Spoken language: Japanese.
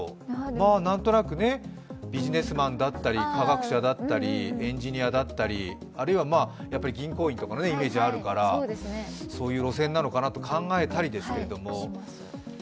まあ、何となくね、ビジネスマンだったり科学者だったり、エンジニアだったり、あるいはやっぱり銀行員とかのイメージあるからそういう路線なのかなと考えたりですけれども。